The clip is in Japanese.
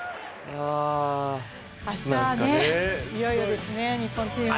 明日、いよいよですね、日本チーム。